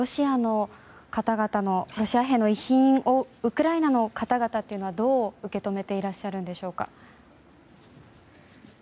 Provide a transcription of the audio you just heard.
ロシア兵の遺品をウクライナの方々はどう受け止めていらっしゃるんでしょうか。